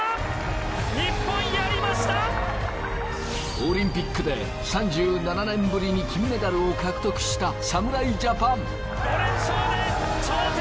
オリンピックで３７年ぶりに金メダルを獲得した侍ジャパン。